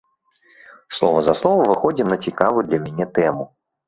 Слова за слова выходзім на цікавую для мяне тэму.